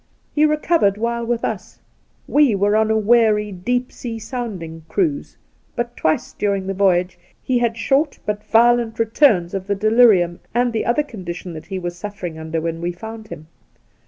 He recovered while with us — we were on a weary deep sea sounding cruise — but twic& during the voyage he had short but violent returns of the delirium and the other conditions tha,t he was suflfering under when we found him.